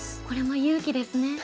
これも勇気ですね。